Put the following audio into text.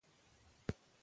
هغوی به پرمختګ کړی وي.